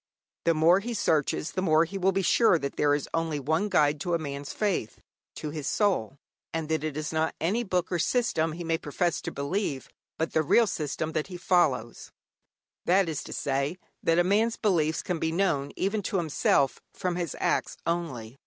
The more he searches, the more he will be sure that there is only one guide to a man's faith, to his soul, and that is not any book or system he may profess to believe, but the real system that he follows that is to say, that a man's beliefs can be known even to himself from his acts only.